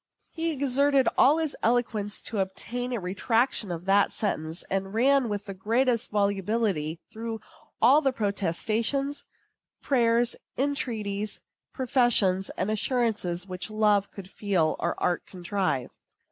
He exerted all his eloquence to obtain a retraction of that sentence, and ran with the greatest volubility through all the protestations, prayers, entreaties, professions, and assurances which love could feel or art contrive.